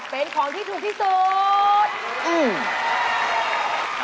เป็นของที่ถูกที่สุด